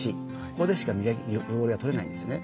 ここでしか汚れが取れないんですよね。